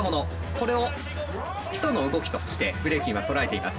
これを基礎の動きとしてブレイキンは捉えています。